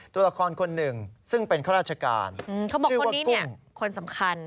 ตัวละครคนหนึ่งซึ่งเป็นข้าราชการเขาบอกชื่อว่ากุ้งคนสำคัญ